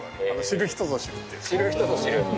知る人ぞ知る。